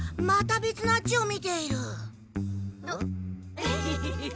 ヘヘヘヘ。